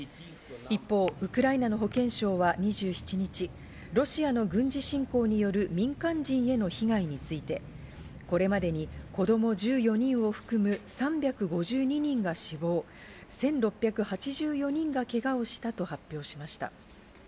一方、ウクライナの保健省は２７日、ロシアの軍事侵攻による民間人への被害についてこれまでに子供１４人を含む３５２人が死亡、１６８４人がけがをしたと発表しました。